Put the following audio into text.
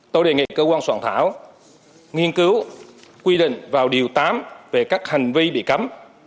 tôi đề nghị cơ quan soạn thảo nghiên cứu quy định vào điều tám về các hành vi bị cấm